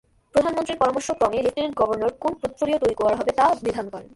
প্রধানমন্ত্রীর পরামর্শক্রমে lieutenant governor কোন পোর্টফোলিও তৈরি করা হবে তা নির্ধারণ করেন।